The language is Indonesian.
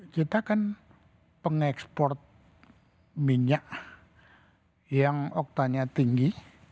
kita kan pengekspor minyak yang oktanya tinggi